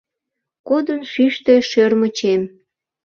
Кодын шӱштӧ шӧрмычем.